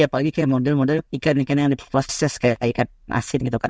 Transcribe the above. apalagi kayak model model ikan ikan yang diproses kayak ikan asin gitu kan